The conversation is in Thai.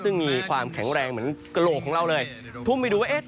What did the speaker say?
ซึ่งมีความแข็งแรงเหมือนกระโหลกของเราเลยทุ่มไปดูว่าเอ๊ะ